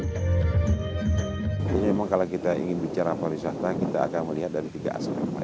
menyebabkan bahwa di luar negara lebih banyak pemerintah yang menawarkan untuk menghasilkan peluang peluang dan kepentingan secara terbaik